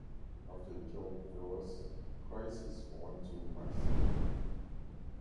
After he killed Thoas, Chryses went to Mycenae.